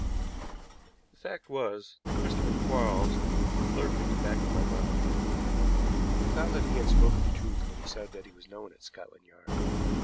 The fact was that Christopher Quarles lurked at the back of my mind. I found that he had spoken the truth when he said that he was known at Scotland Yard.